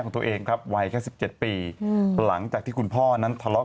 ตัวเองครับวัยแค่๑๗ปีหลังจากที่คุณพ่อนั้นทะเลาะ